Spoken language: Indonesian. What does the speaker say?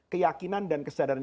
keyakinan dan kesadaran